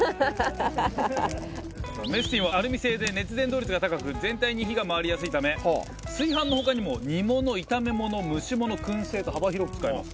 メスティンは、アルミ製で熱伝導率が高く全体に火が回りやすいため炊飯の他にも煮物、炒め物蒸し物、燻製と幅広く使えます。